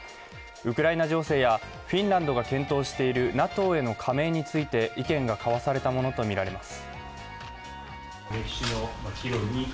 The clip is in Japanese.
ウクライナ情勢やフィンランドが検討しているＮＡＴＯへの加盟について意見が交わされたものとみられます。